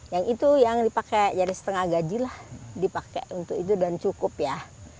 yang itu yang dipakai jadi setengah gaji lah dipakai untuk itu dan cukup ya